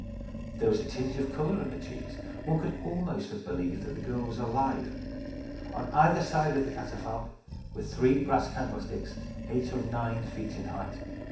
There was a tinge of colour in the cheeks. One could almost have believed that the girl was alive. On either side of the catafalque were three brass candlesticks, eight or nine feet in height.